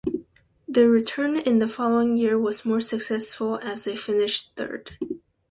Their return in the following year was more successful as they finished third.